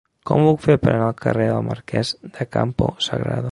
Com ho puc fer per anar al carrer del Marquès de Campo Sagrado?